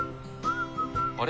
あれ？